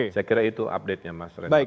saya kira itu update nya mas reza